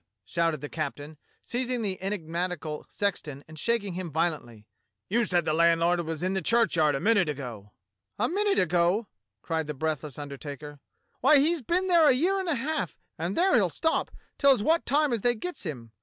shouted the captain, seizing the enigmatical sexton and shaking him violently; "you said the landlord was in the churchyard a minute ago." "A minute ago!" cried the breathless undertaker. "Why, he's been there a year and a half, and there he'll stop till as wot time as they gets him.